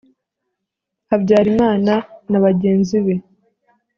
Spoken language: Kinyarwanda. habyarimana na bagenzi be